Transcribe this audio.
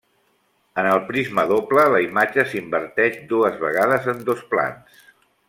En el prisma doble la imatge s'inverteix dues vegades en dos plans.